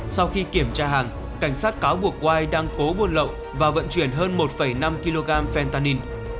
sau khi kiểm tra hàng cảnh sát cáo buộc waii đang cố buôn lậu và vận chuyển hơn một năm kg phentain